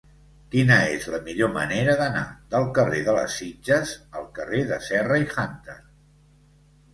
Quina és la millor manera d'anar del carrer de les Sitges al carrer de Serra i Hunter?